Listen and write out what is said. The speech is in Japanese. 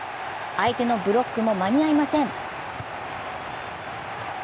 相手のブロックも間に合いません。